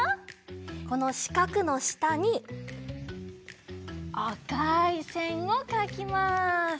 このしかくのしたにあかいせんをかきます。